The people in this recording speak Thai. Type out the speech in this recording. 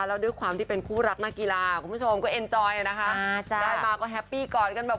แล้วด้วยความที่เป็นคู่รักนักกีฬาคุณผู้ชมก็เอ็นจอยนะคะได้มาก็แฮปปี้กอดกันแบบ